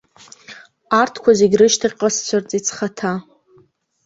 Арҭқәа зегь рышьҭахьҟа сцәырҵит схаҭа.